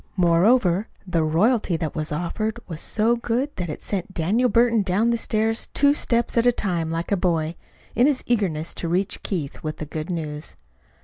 Moreover, the royalty they offered was so good that it sent Daniel Burton down the stairs two steps at a time like a boy, in his eagerness to reach Keith with the good news.